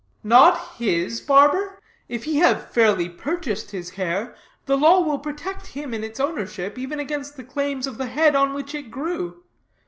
"Not his, barber? If he have fairly purchased his hair, the law will protect him in its ownership, even against the claims of the head on which it grew.